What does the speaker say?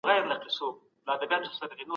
مخکي تر دې چي خبري وکړي پرېکړه کوي.